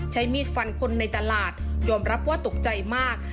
ใช้มีดฟันคนในตลาดยอมรับว่าตกใจมาก